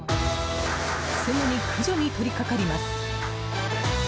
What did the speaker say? すぐに駆除に取りかかります。